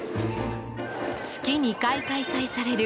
月２回開催される